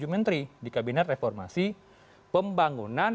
tiga puluh tujuh menteri di kabinet reformasi pembangunan